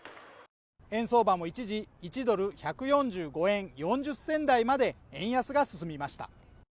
円相場も一時、１ドル＝１４５円４０銭台まで円安が進みました。